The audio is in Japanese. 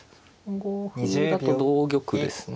３五歩だと同玉ですね。